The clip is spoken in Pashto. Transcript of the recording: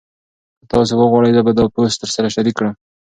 که تاسي وغواړئ زه به دا پوسټ درسره شریک کړم.